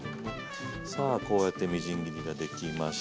さあこうやってみじん切りが出来ました。